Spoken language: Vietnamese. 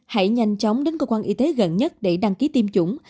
hãy nhanh chóng đến cơ quan y tế gần nhất để đăng ký tiêm chủng